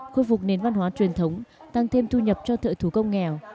khôi phục nền văn hóa truyền thống tăng thêm thu nhập cho thợ thủ công nghèo